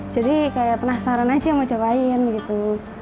jadi kayak penasaran aja mau cobain gitu